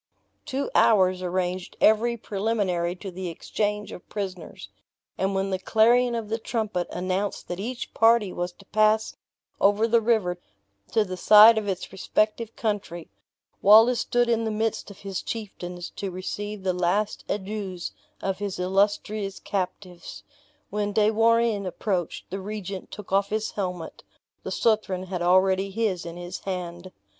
Two hours arranged every preliminary to the exchange of prisoners; and when the clarion of the trumpet announced that each party was to pass over the river to the side of its respective country, Wallace stood in the midst of his chieftains to receive the last adieus of his illustrious captives. When De Warenne approached, the regent took off his helmet; the Southron had already his in his hand.